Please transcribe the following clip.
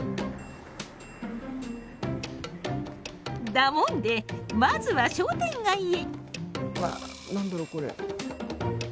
だもんでまずは商店街へ。